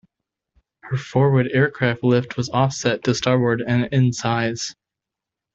Her forward aircraft lift was offset to starboard and in size.